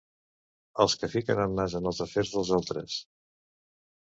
Els que fiquen el nas en els afers dels altres.